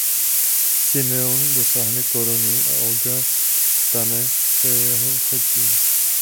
Simeon dosáhne koruny a Olga stane se jeho chotí.